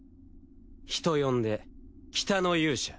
人呼んで北の勇者。